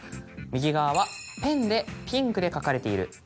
右側は「ペン」で「ピンク」で書かれている。